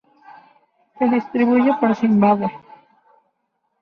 Se distribuye por Zimbabue.